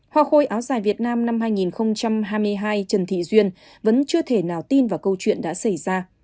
hoa khôi áo dài việt nam năm hai nghìn hai mươi hai trần thị duyên vẫn chưa thể nào tin vào câu chuyện đã xảy ra